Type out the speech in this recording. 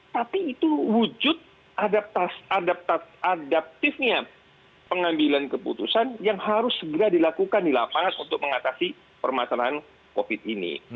tapi itu wujud adaptifnya pengambilan keputusan yang harus segera dilakukan di lapangan untuk mengatasi permasalahan covid ini